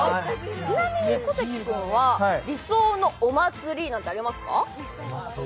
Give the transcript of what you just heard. ちなみに小関君は、理想のお祭りなんてありますか？